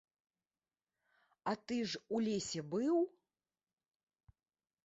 А ты ж у лесе быў?